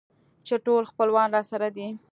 چې ټول خپلوان راسره دي.